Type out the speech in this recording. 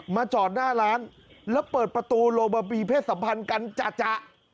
จอดหน้าร้านแล้วเปิดประตูโลบาบีเพศสัมพันธ์กันจ่ะ